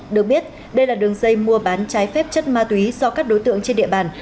được biết đây là đường dây mua bán trái phép chất ma túy do các đối tượng trên địa bàn